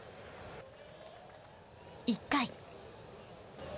１回。